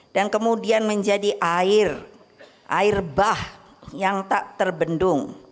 dan kemudian menjadi air air bah yang tak terbendung